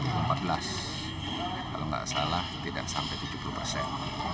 kalau tidak salah tidak sampai tujuh puluh persen